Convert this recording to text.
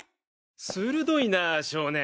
鋭いな少年。